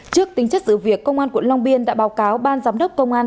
trước tính chất sự việc công an quận long biên đã báo cáo ban giám đốc công an